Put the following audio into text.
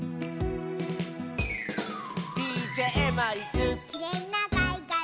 「ＤＪマイク」「きれいなかいがら」